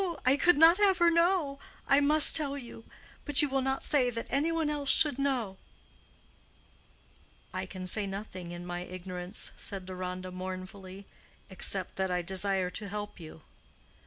I could not have her know. I must tell you; but you will not say that any one else should know." "I can say nothing in my ignorance," said Deronda, mournfully, "except that I desire to help you."